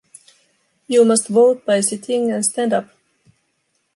You must vote by sitting and stand up.